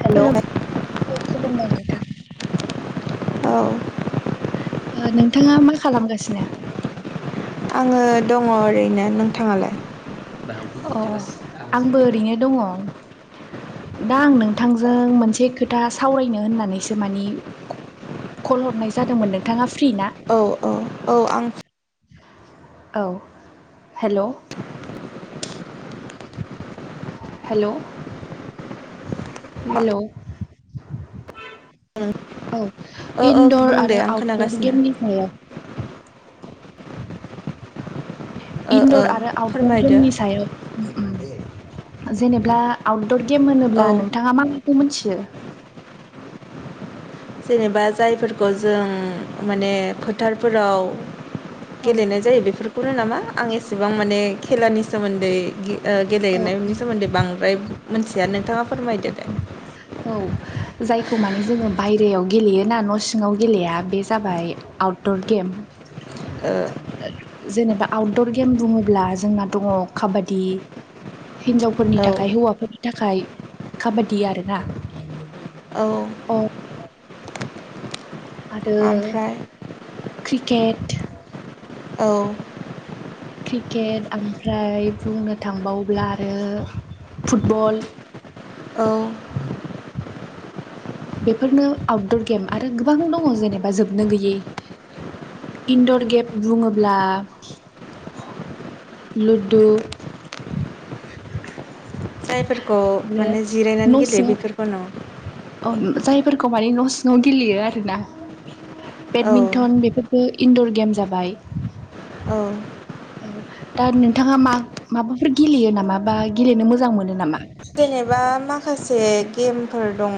हेल' खुलुमबाय औ खुलुमबाय नोंथां औ [unintelligible] नोंथाङा मा खालामगासिनो। आङो दङ ओरैनो नोंथाङालाय अ आंबो ओरैनो दङ दा आं नोंथांजों मोनसे खोथा सावरायनो होननानैसो मानि कल हरनाय जादोंमोन नोंथाङा फ्रि ना औ औ औ आं औ हेल' हेल' मा हेल' औ ओ ओ इनदर बुंदे आरो आं आउटदर खोनागासिनो गेमनि सायाव ओ ओ इनदर आरो आउटदर फोरमायदो गेमनि सायाव जेनेब्ला आ दर गेम औ होनोब्ला नोंथाङा माखौ मिथियो जेनेबा जायफोरखौ जों माने फोथारफोराव औ गेलेनाय जायो बेफोरखौनो नामा आं एसेबां माने खेलानि सोमोन्दै ओ औ गेलेनायनि सोमोन्दै बांद्राय मिथिया नोंथाङा फोरमायदो दे औ जायखौ मानि जोङो बायरायाव गेलेयोना न' सिङाव गेलेया बे जाबाय आउटदर गेम ओ जेनेबा आउटदर गेम बुङोब्ला जोंना दङ काबादि हिनजावफोरनि औ थाखाय हौवाफोर थाखाय काबादि आरोना औ अ आरो ओमफ्राय क्रिकेट औ क्रिकेट ओमफ्राय बुंनो थांबाव्ला आरो फुटबल औ बेफोरनो आउटदर गेम आरो गोबां दङ जेनेबा जोबनो गैयै इन्दर गेम बुङोब्ला लुदु जायफोरखौ आरो माने जिरायनानै न' गेलेयो सिङाव बेफोरखौनो औ जायफोरखौ माने न' सिङाव गेलेयो आरोना औ बेडमिन्टन बेफोर इनन्दर गेम जाबाय ओ दा नोंथाङा माबाफोर गेलेयो नामा बा गेलेनो मोजां मोनो नामा? जेनेबा माखासे गेमफोर दङ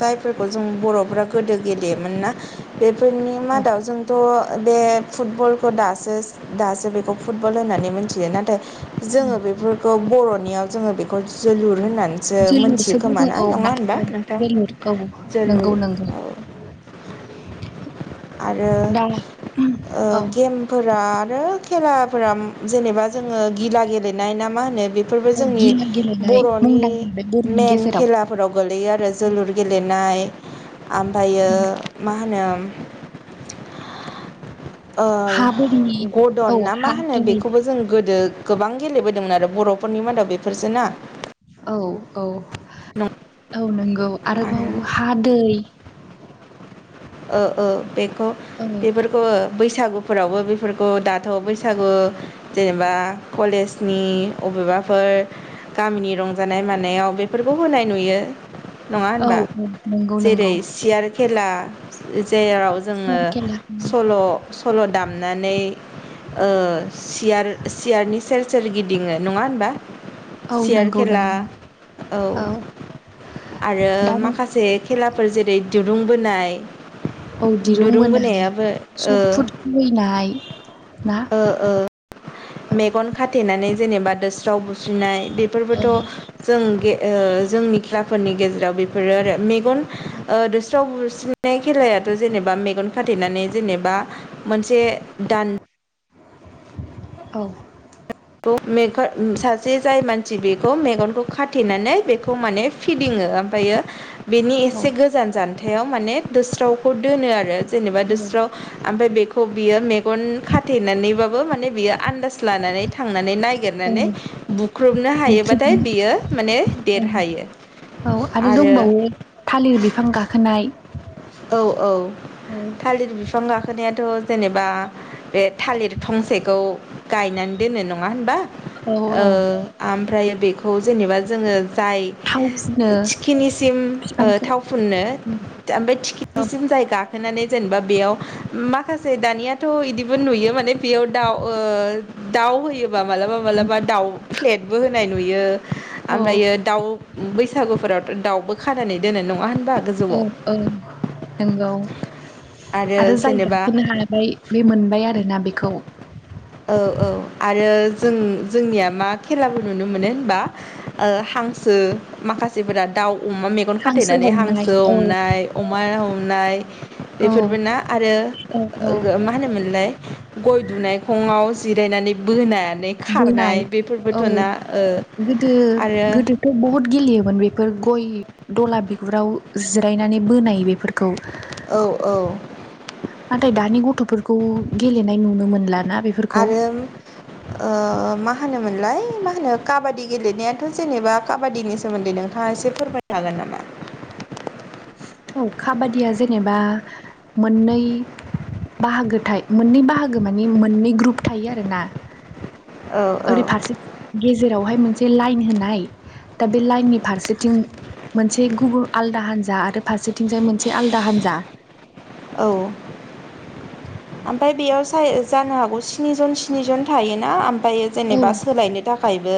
जायफोरखौ जों बर'फ्रा गोदो गेलेयोमोन। मोनना? बेफोरनि औ मादाव जोंथ' बे फुटबलखौ दासो दासो बेखौ फुटबल होननानै मि मिथियो नाथाय औ जोङो बेफोरखौ बर'नियाव जोङो बेखौ जोलुर होननानै जोलुरसो बुङो औ ना औ नोंथां जोलुर औ जोलुर नोंगौ नोंगौ [inaudible] औ आरो ओ औ गेमफोरा रो खेलाफोरा जेनेबा जोङो गिला गेलेनायना मा होनो बेफोरबो औ जोंनि गिला गेलेनाय बर'नि मुंदांखा बे बर'नि मेन गेजेराव खेलाफोराव गोलैयो आरो जोलुर गेलेनाय आमफायो मा होनो ओ हा बोरि औ गदन ना हा मा होनो दै बेखौबो जों गोदो गोबां गेलेबोदोंमोन आरो बर'फोरनि मादाव बेफोरजों ना औ औ [unintelligible] औ नंगौ आरो आरोबाव हा दै ओ ओ बेखौ औ बेफोरखौ बैसागु फोरावबो बेफोरखौ दाथ' बैसागु जेनेबा कलेजनि अबेबाफोर गामिनि रंजानाय मानायाव बेफोरखौ होनाय नुयो नङा औ होनबा औ नंगौ जेरै नंगौ सियार खेला जेराव जोङो सियार खेला सल' सल' दामनानै ओ सियार सियारनि सेर सेर गिदिङो नङा होनबा औ सियार नंगौ खेला नंगौ औ आरो दा माखासे खेलाफोर जेरै दुरुं बोनाय औ दिरुं दुरुं बोनाय बोनायाबो ओ सट फुट खुबैनाय ना ओ - ओ औ मेगन खाथेनानै जेनेबा दोस्राव बु स्रिनाय औ बेफोरबोथ' जों गे ओ जोंनि खेलाफोरनि गेजेराव बे आरो मेगन दोस्राव नाय खेलायाथ' जेनेबा मेगन खाथेनानै जेनेबा मोनसे दान औ खौ मेगन सासे जाय मानसि बेखौ मेगनखौ खाथेनानै बेखौ माने फिदिङो ओमफ्रायो बेनि एसे गोजान जान्थायाव माने दोस्रावखौ दोनो आरो जेनेबा दोस्राव ओमफ्राय बेखौ बियो मेगन खाथेनानैबाबो माने बियो आन्दास लानानै थांनानै औ ननायागिरनानै बुख्रुबनो हायोबाथाय बियो माने औ देरहायो औ आरो दंबावो थालिर बिफां गाखोनाय औ - औ औ थालिर बिफां गाखोनायाथ' जेनेबा बे थालिर थंसेखौ गायनानै दोनो नङा होनबा औ ओ औ आमफ्राय बेखौ जेनेबा जोङो जाय थाव फुनो थिखिनिसिम ओ बिफांखौ थाव फुननो उमफ्राय औ खिथिसिम जाय गाखोनानै जेनेबा बेयाव माखासे दानियाथ' इदिबो नुयो माने बेयाव दाउ ओ दाउ होयोबा मालाबा मालाबा दाउ फ्लेटबो होनाय नुयो औ ओमफ्रायो दाउ बैसागुफोरावथ' दाउबो खानानै दोननाय नङा होन औ - औ नोंगौ आरो जाय गाखोनो हाबाय बे मोनबाय आरोना बेखौ द औ - औ आरो जों जोंनिया मा खेलाबो नुनो मोनो होनबा ओ हांसो माखासेफोरा दाउ अमा मेगन हांसो खाथेनानै हमनाय हांसो औ अमनाय अमा हमनाय औ बेफोरबो ना आरो औ औ मा होनोमोनलाय गय दुनाय जिरायनानै बोनाय बोनाय औ ओ गोदो आरो - गोदोथ' बहुत गेलेयोमोन बे फोर गय दला बिगुराव जिरायनानै बोनाय बेफोरखौ औ औ नाथाय दानि गथ'फोरखौ गेलेनाय नुनो मोनला आरो ओ मा होनो मोनलाय मा होनो काबादि गेलेनायाथ' जेनेबा काबादिनि सोमोन्दै नोंथाङा एसे फोरमायनो हागोन नामा औ काबादिया जेनेबा मोननै बाहागो थाय मोननै बाहागो मानि मोननै ग्रुप थायो आरोना औ ओरै फारसे गेजेरावहाय मोनसे लाइन होनाय दा बे लाइननि फारसेथिं मोनसे गुबुन आलदा हान्जा आरो फारसेथिंजाय मोनसे आलदा हान्जा औ ओमफाय बेयाव साय जानो हागौ स्निजन - स्निजन थायोना दायो औ जेनेबा सोलायनो थाखायबो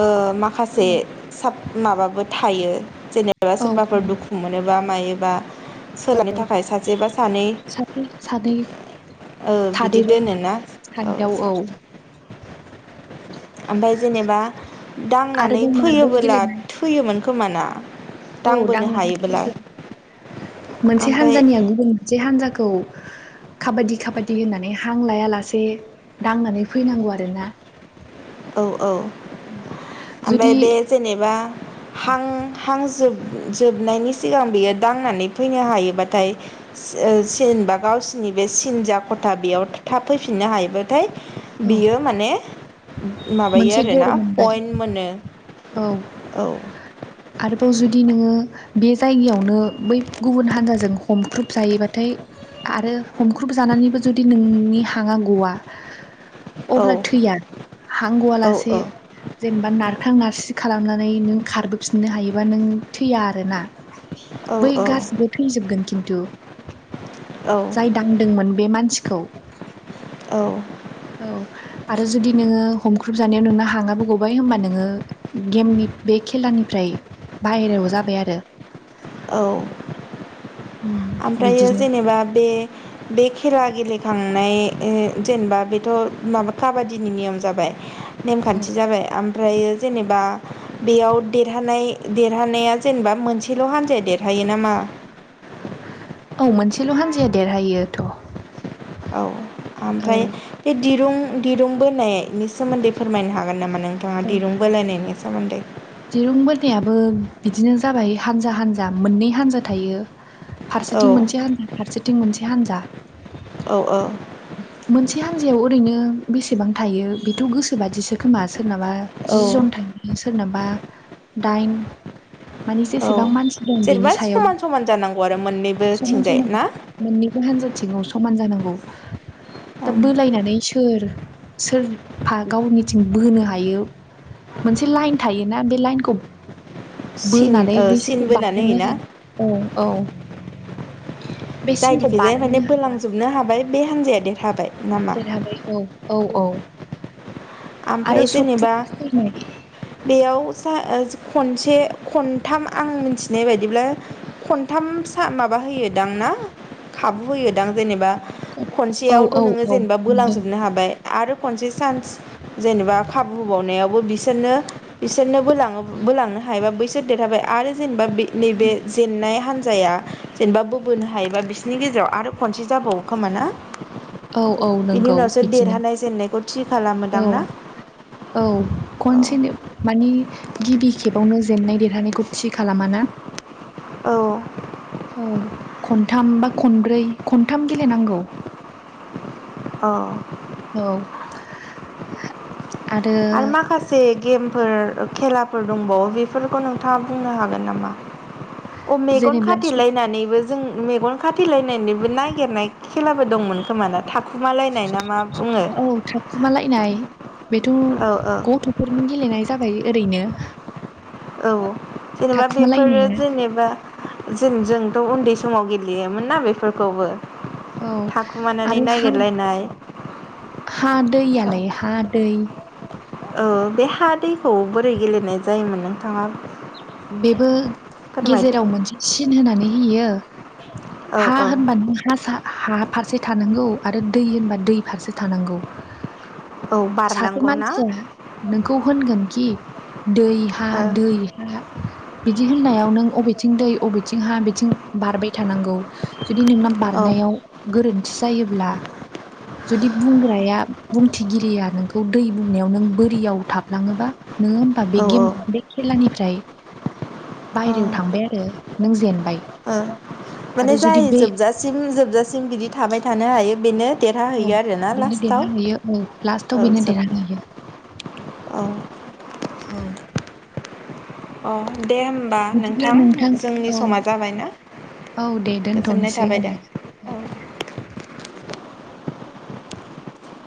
ओ माखासे औ साब माबाबो थायो जेनेबा औ सोरबाफोर दुखु मोनोबा मायोबा सोलोंनो थाखाय सा साथनै सानैै ओ बिदि थादेरि दोनोना थाददावआव औ। ओमफ्राय जेनेबा दांनानै आरोबाव मार्बल फोयोबोला गेलेनाय थैयोमोन खोमाना? औ दांनानै फैदों। मोनसे ओमफ्राय हानजानिया गुबुन मोनसे हानजा खौ खाबादि - खाबादि होननानै हां लायालासे दांनानै फैनांगौ आरोना। औ-औ। ओमफाय जुदि बे जेनेबा हां हां जोब जोबनायनि सिगां बेयाय दांनानै फैनो हायोबाथाय ओ जेनबा गावसोरनि बे सिन जा खथा बेयाव थाब फैफिननो हायोबाथाय औ बियो माने माबायो मोनसे गर आरोना मोनबाय पइन्ट मोनो। औ। औ आरोबाव जुदि नोङो बे जायगायावनो बै गुबुन हान्जाजों हमख्रुब जायोबाथाय आरो हमख्रुब जानानैबो जुदि नोंनि हाङा ग'आ औ अब्ला थैया हांग'वा औ लासे जेनेबा नार सि खालामनानै नों खारबोफिननो हायोबा नों थैया आरो ना। औ बै गासिबो थैजोबगोन खिन्थु। जाय औ दांदोंमोन बे मानसि खौ। औ औ आरो जुदि नोङो हमख्रुब जानायाव नोंना हाङाबो गबाय होमबा नोङो गेमनि बे खेलानिफ्राय बाहेराव जाबाय आरो। औ उम आमफ्रायो बिदिनो जेनेबा बे बे खेला गेलेखांनाय ए जेनेबा बेथ' माबा काबादिनि नेम जाबाय औ नेमखान्थि जाबाय आमफ्रायो जेनेबा बेयाव देरहानाय देरहानाया जेनेबा मोनसेल' हान जा देरहायो नामा? औ मोनसेल' हान्जाया देरहायो थ'। औ ओमफ्राय बे दिरुं-दिरुं बोनायनि सोमोन्दै फोरमायनो हागोन नामा? नोंथाङा औ दिरुं बोलायनायनि सोमोन्दै। दिरुं बोनायाबो बिदिनो जाबाय हानजा हानजा मोननै हानजा थायो। औ फारसेथिं मोनसे हानजा फारसेथिं मोनसे हान्जा। औ औ मोनसे हान्जायाव ओरैनो बेसेबां थायो बेथ' गोसोबादिसो खोमा सोरनाबा औ जि जन थायो सोरनाबा दाइन मानि औ जेसेबां मानसि दं बिनि जेनेबा सायाव समान समान जानांगौ आरो मोननैबो समान थिंजाय समान ना मोननैबो हान्जाथिङाव स मान जानांगौ दा ओम बोलायनानै सोर सोरफा गावनिथिं बोहोनो हायो मोनसे लाइन थायो। ना बे लाइनखौ सिन बोनानै ओ सिन बैसोरखौ बोनानै बारहोनो होयोना हो औ औ। बे जाय सिनखौ दिखिजाय बारहोनो माने हाबा बोलांजोबनो हाबाय बे हान्जाया देरहाबाय। नामा देरहाबाय। औ औ औ आरो ओमफ्राय सट फुट जेनेबा खुबैनाय बेयाव सा ओ खनसे खनथाम आं मोनथिनाय बायदिब्ला खनथाम फिसा माबा होयोदां ना? खाबु होयोदां जेनेबा औ खनसेयावथ' नोङो औ जेनेबा नंगौ बोलांजोबनो हाबाय आरो खनसे सान्स जेनेबा खाबु होबावनायावबो बि सोरनो बिसोरनो बोलाङो बोलांनो हायोबा बैसोर देरहाबाय आरो जेनेबा बे नैबे जेननाय हान्जाया जेनेबा बोबोनो हायोबा बिसोरनि गेजेराव आरो खनसे जाबावो खोमा ना? औ औ बिनि नंगौ उनावसो बिदिनो देरहानाय जेननायखौ थि खालाम। औ औ औ खनसेनो मानि गिबि खेबावनो जेननाय देरहानायखौ थि खालामा ना। औ औ खनथाम बा खनब्रै खनथाम गेलेनांगौ। अ औ आरो माखासे गेम फोर खेलाफोर दंबावो बेफोरखौ नोंथाङा बुंनो हागोन नामा? अ मेगन जेनेब्ला खाथेलायनानैबो जों मेगन खा फुथिलायनायनिबो नागिरनाय खेलाबो दंमोन खोमाना थाखुमालायनाय ना मा बुङो। औ थाखुमालायनाय बेथ' औ औ गथ'फोरनि गेलेनाय जाबाय ओरैनो औ जेनेबा बेफोरो थाखुमालायनाया जेनेबा जों जोंथ' उन्दै समाव गेलेयोमोन ना बेफोरखौबो औ थाखुमानानै आरो हा नागिरलायनाय हा दैयालाय हा दै ओ बे हा दैखौ बोरै गेलेनाय जायोमोन नोंथाङा। बेबो फोरमायदो गेजेराव मोनसे सिन होनानै होयो। औ हा औ होनबानो हा सा हा फारसे थानांगौ आरो दै होनबा दै फारसे थानांगौ। औ सासे बारनांगौ ना मानसिया नोंखौ होनगोनखि दै हा ओ दै हा बिदि होननायाव नों बबेथिं दै बबेथिं हा बिथिं बारबाय थानांगौ। जुदि नोंना औ बारनायाव गोरोन्थि जायोब्ला जुदि बुंग्राया बुंथिगिरिया नोंखौ दै बुंनायाव नों बोरियाव थाबलाङोबा नोङो होमबा बे औ गेम बे खेलानिफ्राय औ बायेरायाव थांबाय आरो नों जेनबाय ओ माने आरो जुदि जाय बे जोबजासिम जोबजासिम बिदि थाबाय थानो हायो बेनो औ देरहाहैयो आरोना बेनो लास्टाव देरहाहैयो औ लास्टाव औ बेनो देरहाहैयो जोबनायाव औ। औ अ दे होनबा बिदिब्ला नोंथां जोंनि औ समा जाबाय ना औ दे दोनथ'नोसै औ। औ